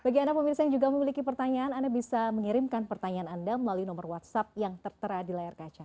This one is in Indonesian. bagi anda pemirsa yang juga memiliki pertanyaan anda bisa mengirimkan pertanyaan anda melalui nomor whatsapp yang tertera di layar kaca